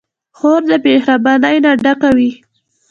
خور د مهربانۍ نه ډکه وي.